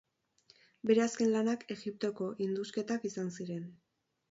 Bere azken lanak Egiptoko indusketak izan ziren.